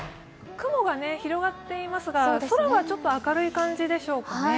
雲が広がっていますが、空は明るい感じでしょうかね。